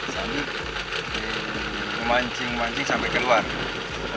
sambil memancing mancing sampai keluar